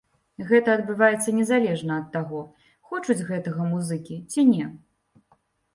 Гэта адбываецца незалежна ад таго хочуць гэтага музыкі ці не.